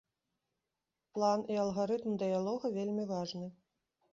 План і алгарытм дыялога вельмі важны.